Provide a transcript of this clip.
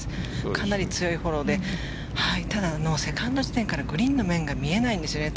かなり強いフォローでただ、セカンド地点からグリーンの面が見えないんですよね